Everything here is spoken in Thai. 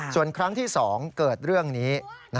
ส่วนครั้งที่๒เกิดเรื่องนี้